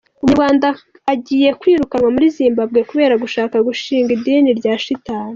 Umunyarwanda agiye kwirukanwa muri Zimbabwe kubera gushaka gushinga idini rya Shitani